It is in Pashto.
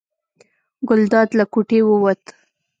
ګلداد له کوټې ووت.